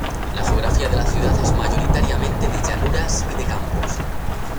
La geografía de la ciudad es mayoritariamente de llanuras y de campos.